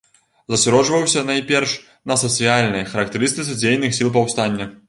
Засяроджваўся, найперш, на сацыяльнай характарыстыцы дзейных сіл паўстання.